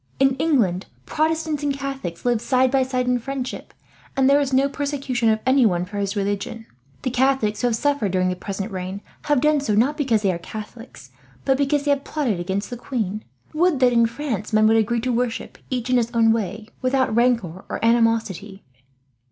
In England Protestants and Catholics live side by side in friendship, and there is no persecution of anyone for his religion; the Catholics who have suffered during the present reign have done so, not because they are Catholics, but because they plotted against the queen. Would that in France men would agree to worship, each in his own way, without rancour or animosity."